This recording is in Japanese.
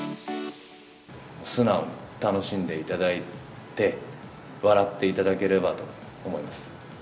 素直に楽しんでいただいて、笑っていただければと思います。